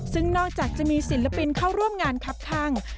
ซึ่งนอกจากจะมีศิลปินเข้าร่วมงานครับข้าง